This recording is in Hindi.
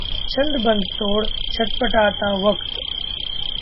छंद बंध तोड़ छटपटाता वक्त